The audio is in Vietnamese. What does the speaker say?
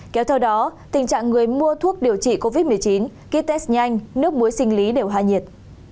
kéo theo đó tình trạng người mua thuốc điều trị covid một mươi chín ký test nhanh nước muối sinh lý đều hạ nhiệt